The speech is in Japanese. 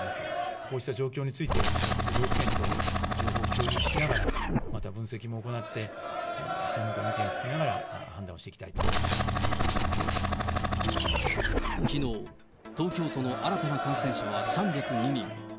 こうした状況について、各都道府県と情報を共有しながら、また分析も行って、専門家の意見を聞きながら判断をしていきたいというふうに考えてきのう、東京都の新たな感染者は３０２人。